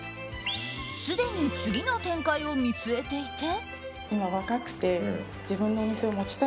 すでに次の展開を見据えていて。